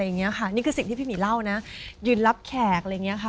นี่คือสิ่งที่พี่มีเล่านะยืนรับแขกอะไรอย่างนี้ค่ะ